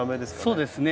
そうですね。